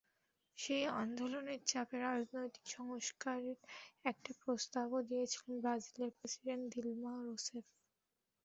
সেই আন্দোলনের চাপে রাজনৈতিক সংস্কারের একটা প্রস্তাবও দিয়েছিলেন ব্রাজিলের প্রেসিডেন্ট দিলমা রোসেফ।